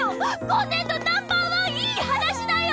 今年度ナンバー１いい話だよ！